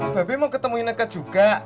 tapi mau ketemu ineke juga